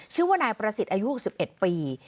ชื่อว่านายประสิทธิ์อายุ๖๑ปี